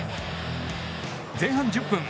前半１０分。